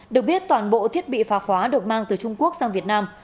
được biết toàn bộ thiết bị phá khóa được mang từ trung quốc sang việt nam